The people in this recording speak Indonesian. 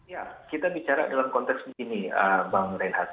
ya kita bicara dalam konteks begini bang reinhardt